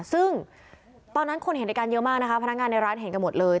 ซึ่งตอนนั้นคนเห็นในการเยอะมากนะคะพนักงานในร้านเห็นกันหมดเลย